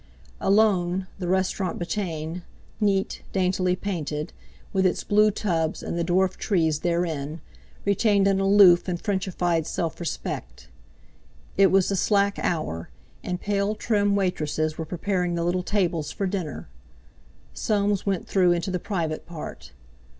Alone, the Restaurant Bretagne, neat, daintily painted, with its blue tubs and the dwarf trees therein, retained an aloof and Frenchified self respect. It was the slack hour, and pale trim waitresses were preparing the little tables for dinner. Soames went through into the private part.